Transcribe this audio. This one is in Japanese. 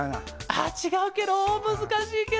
あちがうケロ？むずかしいケロ！